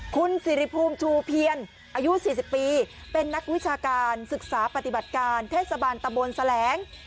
คุณสิริภูมิชูเพียรอายุ๔๐ปีเป็นนักวิชาการศึกษาปฏิบัติการเทศบาลตะบนแสลง